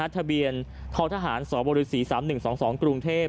ทะเบียนททหารสบศ๓๑๒๒กรุงเทพฯ